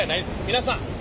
皆さん